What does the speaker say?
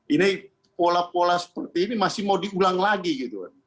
ini pola pola seperti ini masih mau diulang lagi gitu kan